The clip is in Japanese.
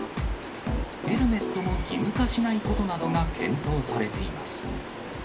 ヘルメットも義務化しないことなどが検討されています。